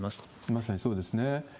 まさにそうですね。